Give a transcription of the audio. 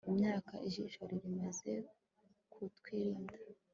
Imyaka ijisho rimaze kutwirinda